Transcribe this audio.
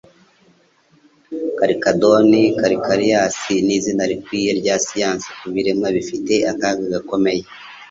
Charcharodon Charcharias Nizina Rikwiye rya siyansi Kubiremwa bifite akaga gakomeye